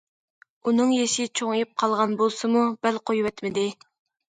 ئۇنىڭ يېشى چوڭىيىپ قالغان بولسىمۇ، بەل قويۇۋەتمىدى.